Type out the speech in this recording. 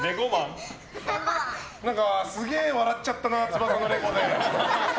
何か、すげえ笑っちゃったなつばさのレゴで。